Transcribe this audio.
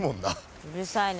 うるさいな。